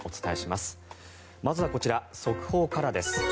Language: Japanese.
まずはこちら、速報からです。